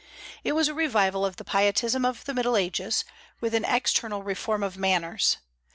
It was a revival of the pietism of the Middle Ages, with an external reform of manners.